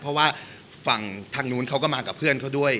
เพราะว่าฝั่งทางนู้นเขาก็มากับเพื่อนเขาด้วย